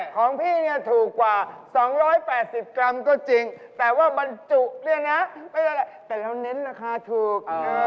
ของพี่เนี่ยถูกกว่า๒๘๐กรัมก็จริงแต่ว่าบรรจุเนี่ยนะไม่เป็นไรแต่เราเน้นราคาถูก